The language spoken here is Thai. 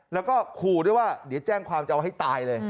แล้วก็ขู่ด้วยว่าเดี๋ยวแจ้งความจะเอาให้ตายเลย